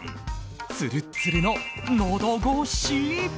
つるっつるの、のどごし！